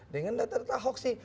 dengan data data hoax sih